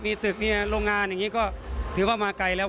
มีตึกมีโรงงานอย่างนี้ก็ถือว่ามาไกลแล้ว